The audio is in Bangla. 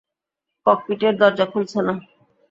ককপিটের দরজা খুলছে না।